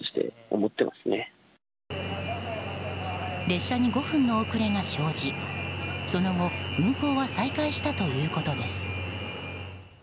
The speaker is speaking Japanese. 列車に５分の遅れが生じその後運行は再開したということです。